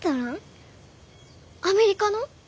アメリカの？